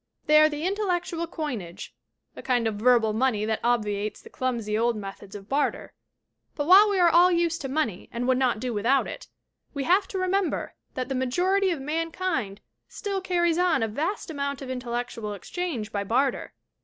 They are the intellectual coinage a kind of verbal money that obviates the clumsy old methods of barter. But while we are all used to money and would not do without it we have to re member that the majority of mankind still carries on a vast amount of intellectual exchange by barter.